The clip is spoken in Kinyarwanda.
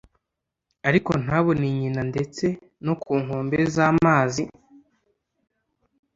ariko ntabone nyina ndetse no ku nkombe z’amazi.